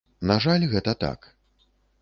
На жаль, гэта так.